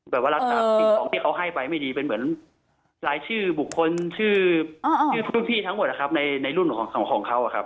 แบบว่ารักษาสิ่งของที่เขาให้ไปไม่ดีเป็นเหมือนรายชื่อบุคคลชื่อรุ่นพี่ทั้งหมดนะครับในรุ่นของเขาอะครับ